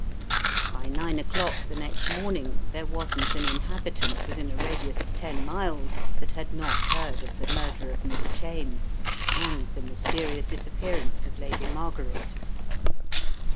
By nine o'clock the next morning there wasn't an inhabitant within a radius of ten miles that had not heard of the murder of Miss Cheyne, and the mysterious disappearance of Lady Mar garet.